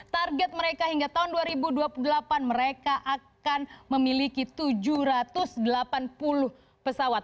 target mereka hingga tahun dua ribu dua puluh delapan mereka akan memiliki tujuh ratus delapan puluh pesawat